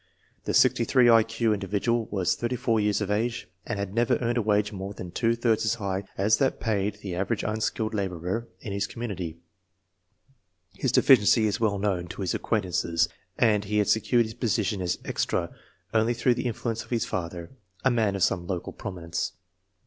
The 63 I Q individual was 34 years of age, and had never earned a wage more than two thirds as high as that paid the average unskilled la borer in his community. His deficiency is well known to his acquaintances, and he had secured his position as " extra M only through the influence of his father, a man of some local prominence.